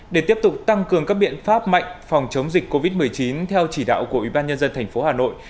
để tiếp tục tăng cường các biện pháp mạnh phòng chống dịch covid một mươi chín theo chỉ đạo của ubnd tp hà nội